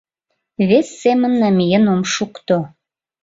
— Вес семын намиен ом шукто.